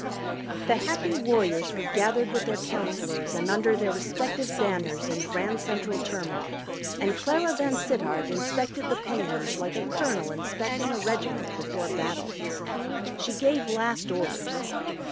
The Happy Warriors were gathered with their counselors and under their respective banners in Grand Central Terminal, and Clara VanSittart inspected the Penguins like a colonel inspecting a regiment before battle. She gave last orders.